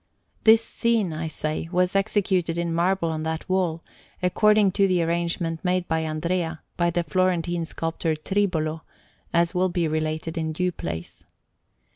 This scene, I say, was executed in marble on that wall, according to the arrangement made by Andrea, by the Florentine sculptor Tribolo, as will be related in due place.